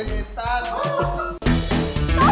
mbak mbak bisa gak